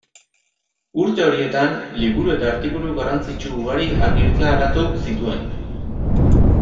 Urte horietan liburu eta artikulu garrantzitsu ugari argitaratu zituen.